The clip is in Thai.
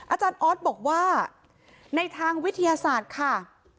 อาจารย์ออสบอกว่าในทางวิทยาศาสตร์ค่ะ